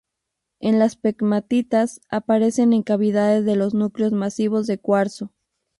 En las pegmatitas aparece en cavidades de los núcleos masivos de cuarzo.